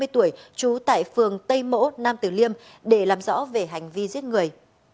hai mươi tuổi trú tại phường tây mỗ nam từ liêm để làm rõ về hành vi giết người